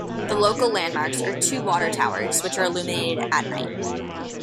The local landmarks are two water towers, which are illuminated at night.